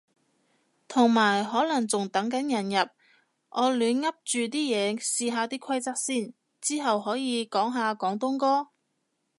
同埋可能仲等緊人入，我亂噏住啲嘢試下啲規則先。之後可以講下廣東歌？